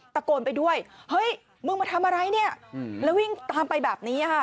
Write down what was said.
ตะโกนไปด้วยเฮ้ยมึงมาทำอะไรเนี่ยแล้ววิ่งตามไปแบบนี้ค่ะ